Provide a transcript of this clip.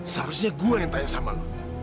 seharusnya gue yang tanya sama lo